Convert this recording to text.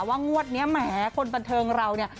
งวดนี้แหมคนบันเทิงเราเนี่ย